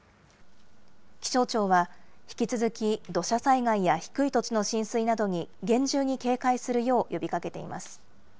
気象庁は引き続き土砂災害や低い土地の浸水などに厳重に警戒するよう呼びかけています。